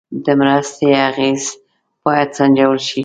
د مرستې اغېز باید سنجول شي.